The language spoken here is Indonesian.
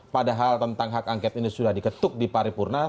padahal tentang hak angket ini sudah diketuk di paripurna